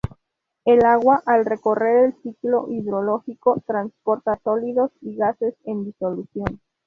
El agua, al recorrer el ciclo hidrológico, transporta sólidos y gases en disolución.